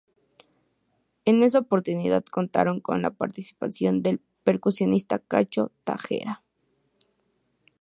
En esa oportunidad contaron con la participación del percusionista Cacho Tejera.